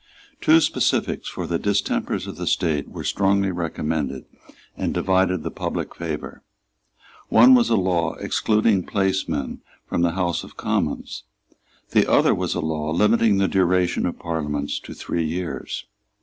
Two specifics for the distempers of the State were strongly recommended, and divided the public favour. One was a law excluding placemen from the House of Commons. The other was a law limiting the duration of Parliaments to three years.